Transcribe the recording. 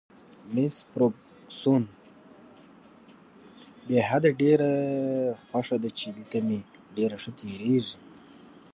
مس فرګوسن: بې حده، ډېره خوښه ده چې دلته مې ډېر ښه تېرېږي.